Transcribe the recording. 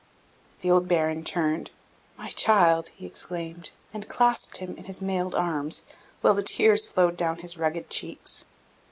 The old Baron turned. "My child!" he exclaimed, and clasped him in his mailed arms, while the tears flowed down his rugged cheeks.